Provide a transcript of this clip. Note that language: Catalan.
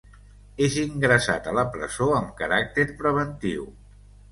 És ingressat a la presó amb caràcter preventiu.